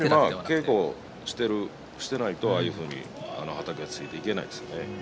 稽古をしていないとああいうふうにはたきについていけないですね。